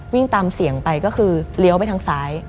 วิ่งตามเสียงไปก็คือเลี้ยวไปทางซ้าย